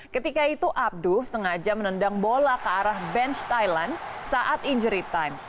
ketika itu abduh sengaja menendang bola ke arah bench thailand saat injury time